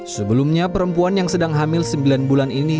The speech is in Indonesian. sebelumnya perempuan yang sedang hamil sembilan bulan ini